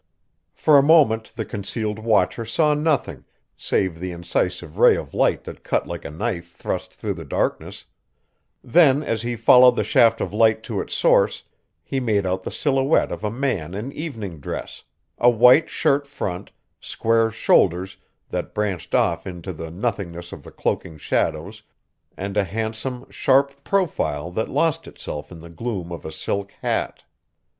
For a moment the concealed watcher saw nothing save the incisive ray of light that cut like a knife thrust through the darkness; then as he followed the shaft of light to its source he made out the silhouette of a man in evening dress a white shirt front, square shoulders that branched off into the nothingness of the cloaking shadows and a handsome, sharp profile that lost itself in the gloom of a silk hat.